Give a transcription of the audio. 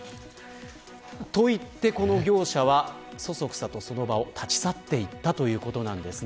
と言って、この業者はそそくさとその場を立ち去っていった、ということなんです。